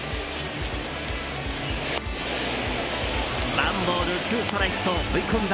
ワンボール、ツーストライクと追い込んだ